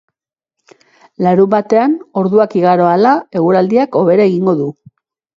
Larunbatean, orduak igaro ahala, eguraldiak hobera egingo du.